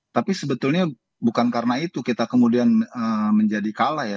tapi sebetulnya bukan karena itu kita kemudian menjadi kalah ya